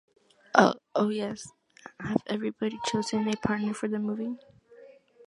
Uh, Oh, yes, have everybody chosen a partner for the move?